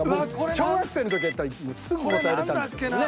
小学生の時やったらすぐ答えれたんですけどね。